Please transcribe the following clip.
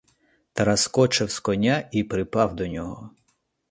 Тарас скочив з коня і припав до нього.